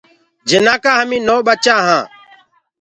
جنآ ڪآ هميٚ نو ٻچآ هآنٚ۔